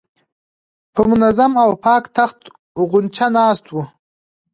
په منظم او پاک تخت غونجه ناسته وه.